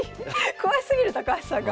詳しすぎる高橋さんが。